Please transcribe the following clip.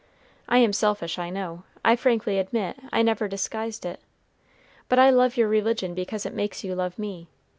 I am selfish, I know; I frankly admit, I never disguised it; but I love your religion because it makes you love me.